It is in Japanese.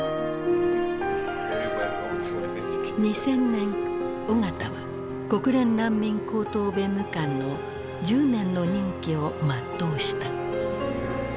２０００年緒方は国連難民高等弁務官の１０年の任期を全うした。